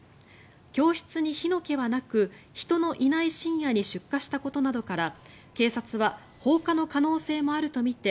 教室に火の気はなく人のいない深夜に出火したことなどから警察は放火の可能性もあるとみて